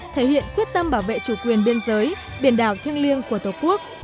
thể hiện quyết tâm bảo vệ chủ quyền biên giới biển đảo thiêng liêng của tổ quốc